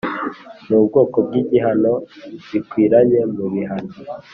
n ubwoko bw igihano bikwiranye mu bihano